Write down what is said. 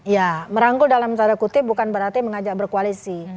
ya merangkul dalam tanda kutip bukan berarti mengajak berkoalisi